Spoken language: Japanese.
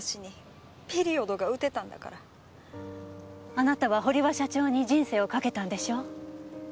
あなたは堀場社長に人生をかけたんでしょう？